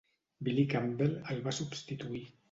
Billy Campbell el va substituir.